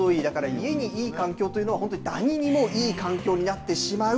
家にいい環境というのは、本当にだににもいい環境になってしまう。